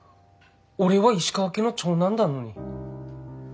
俺は石川家の長男だのに。